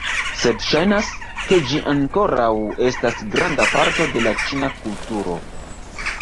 Sed ŝajnas, ke ĝi ankoraŭ estas granda parto de la ĉina kulturo